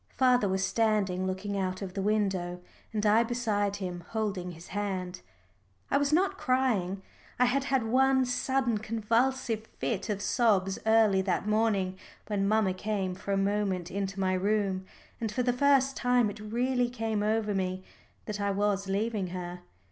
Father was standing looking out of the window, and I beside him holding his hand. I was not crying. I had had one sudden convulsive fit of sobs early that morning when mamma came for a moment into my room, and for the first time it really came over me that I was leaving her.